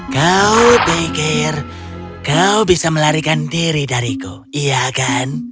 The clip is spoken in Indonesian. kau pikir kau bisa melarikan diri dariku iya kan